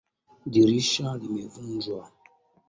Dirisha limevunjwa